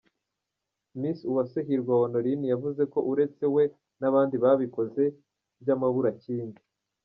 Miss Uwase Hirwa Honorine yavuze ko uretse we n’abandi babikoze by’amabura kindi.